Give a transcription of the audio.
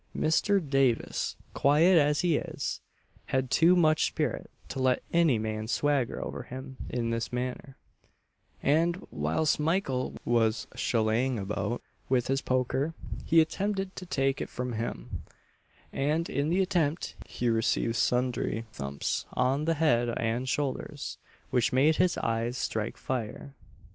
Mr. Davis, quiet as he is, had too much spirit to let any man swagger over him in this manner; and, whilst Mykle was "shelalegh ing about" with his poker, he attempted to take it from him; and in the attempt he received sundry thumps on the head and shoulders, which made his eyes strike fire.